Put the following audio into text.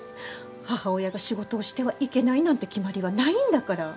母親が仕事をしてはいけないなんて決まりはないんだから。